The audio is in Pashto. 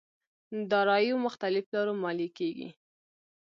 داراییو مختلف لارو ماليې کېږي.